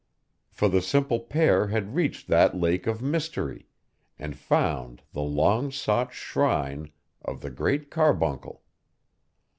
For the simple pair had reached that lake of mystery, and found the long sought shrine of the Great Carbuncle!